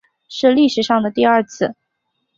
是历史上的第二次